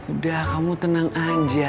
udah kamu tenang aja